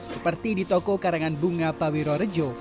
seperti di toko karangan bunga pawiro rejo